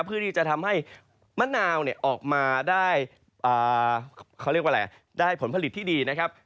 เพื่อที่จะทำให้มะนาวออกมาได้ผลผลิตที่ดีนะครับ